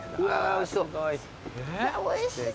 おいしそう。